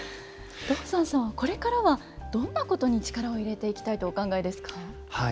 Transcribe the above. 道山さんはこれからはどんなことに力を入れていきたいとお考えですか？